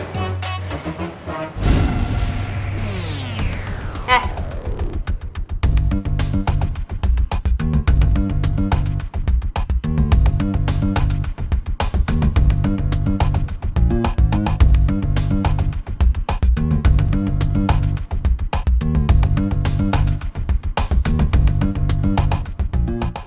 gue mau tumpang